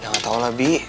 ya gak tau lah bi